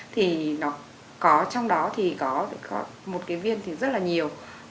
thì nó có trong đó thì có một cái viên thì rất là nhiều